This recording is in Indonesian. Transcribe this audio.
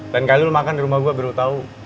dan kali lu makan di rumah gua baru tau